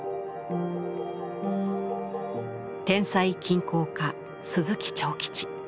天才金工家鈴木長吉。